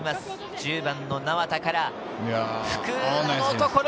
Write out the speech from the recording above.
１０番・名和田から福田のところ。